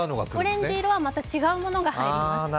オレンジ色のものはまた違うものが入ります。